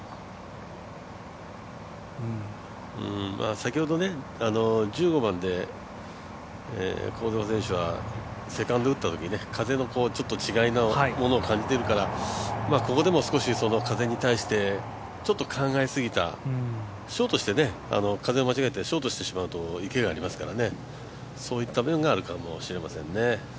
先ほど１５番で香妻選手はセカンド打ったときに風の違いのものを感じているからここでも少し風に対してちょっと考えすぎた、風を間違えてショートしてしまうと池がありますから、そういった面があるかもしれませんね。